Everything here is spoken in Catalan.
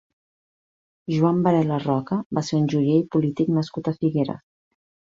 Joan Varela Roca va ser un joier i polític nascut a Figueres.